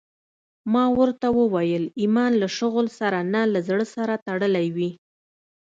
ما ورته وويل ايمان له شغل سره نه له زړه سره تړلى وي.